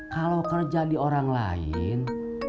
kalau kerja di orang lain